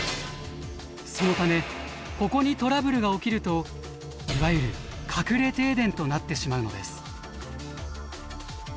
そのためここにトラブルが起きるといわゆる隠れ停電となってしまうのです。